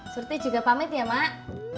surti juga pamit ya mak